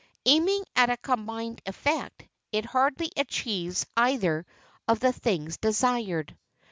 Aiming at a combined effect, it hardly achieves either of the things desired.